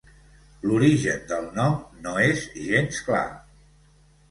L’origen del nom no és gens clar.